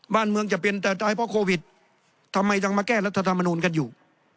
บ้านเมืองจะเป็นแต่ตายเพราะโควิดทำไมต้องมาแก้รัฐธรรมนูลกันอยู่